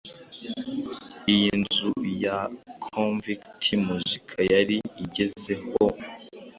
iyi nzu ya Konvict Muzik yari igezeho,